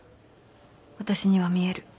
私には見える。